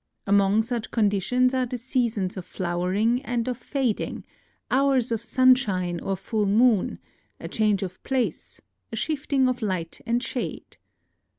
Among such conditions are the seasons of flowering and of fading, hours of sunshine or full moon, a change of place, a shifting of light and shade.